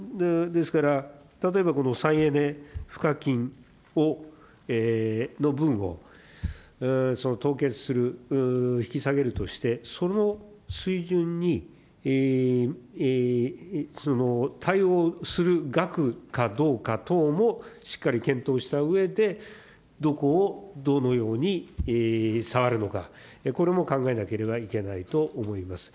ですから、例えばこの再エネ賦課金を、分を、凍結する、引き下げるとして、その水準に対応する額かどうか等もしっかり検討したうえで、どこをどのように触るのか、これも考えなければいけないと思います。